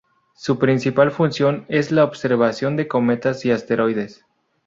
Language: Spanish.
Su principal función es la observación de cometas y asteroides.